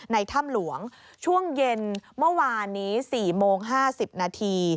ถ้ำหลวงช่วงเย็นเมื่อวานนี้๔โมง๕๐นาที